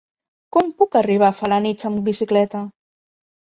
Com puc arribar a Felanitx amb bicicleta?